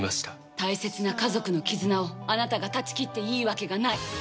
大切な家族の絆を、あなたが断ち切っていいわけがない。